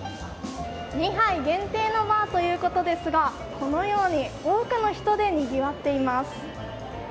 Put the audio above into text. ２杯限定のバーということですがこのように多くの人でにぎわっています。